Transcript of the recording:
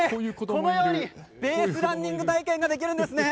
このようにベースランニング体験ができるんですね。